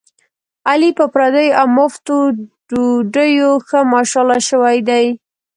علي په پردیو اومفتو ډوډیو ښه ماشاءالله شوی دی.